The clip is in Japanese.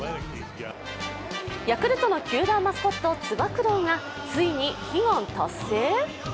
ヤクルトの球団マスコットつば九郎がついに悲願達成？